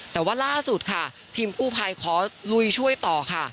แต่ว่าล่าสุดค่ะทีมกู้ภัยขอลุยช่วยต่อค่ะ